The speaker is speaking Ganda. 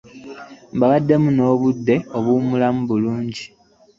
Mbawaddemu n'obudde obuwummulamu bungi.